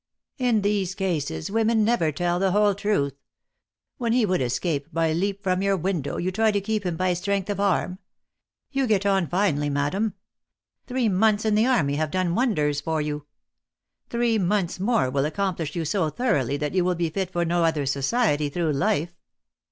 In these cases, women never tell the whole truth ! When he would escape by a leap from your window, you try to keep him by strength of arm. You get on finely, madam ! Three months in the army have 398 THE ACTRESS IN HIGH LIFE. done wonders for yon. Three months more will ac complish you so thoroughly, that you will be fit for no other society through life.